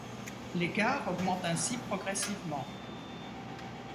L’écart augmente ainsi progressivement.